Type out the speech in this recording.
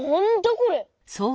これ。